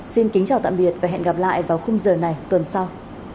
xin kính chào tạm biệt và hẹn gặp lại vào khung giờ này tuần sau